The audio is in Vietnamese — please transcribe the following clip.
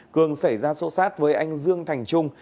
cường xảy ra sô sát với anh dương thành trung